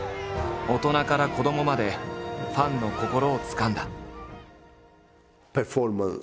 大人から子どもまでファンの心をつかんだ。